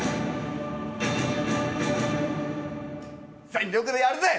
全力でやるぜ！